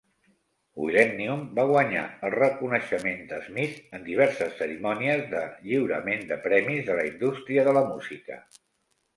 "Willennium" va guanyar el reconeixement de Smith en diverses cerimònies de lliurament de premis de la indústria de la música.